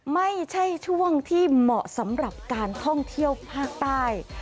ไม่ใช่ช่วงที่เหมาะสำหรับการท่องเที่ยวภาคใต้